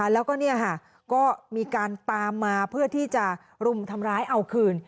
แล้วก็มีการตามมาเพื่อที่จะรุมทำร้ายเอาคืน